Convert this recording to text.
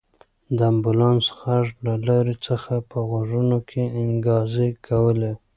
د امبولانس غږ له لرې څخه په غوږونو کې انګازې کولې.